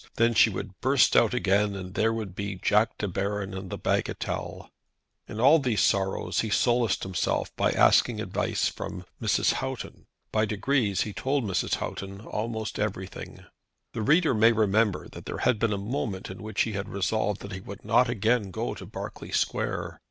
Then she would burst out again, and there would be Jack De Baron and the bagatelle. In all these sorrows he solaced himself by asking advice from Mrs. Houghton. By degrees he told Mrs. Houghton almost everything. The reader may remember that there had been a moment in which he had resolved that he would not again go to Berkeley Square.